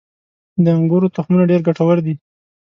• د انګورو تخمونه ډېر ګټور دي.